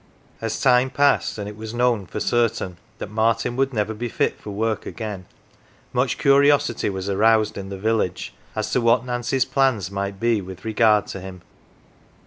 As time passed and it was known " for certain "" that Martin would never be fit for work again, much curiosity was aroused in the village as to what Nancy's plans might be with regard to him.